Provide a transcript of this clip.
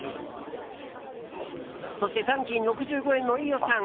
そして、残金６５円の飯尾さん。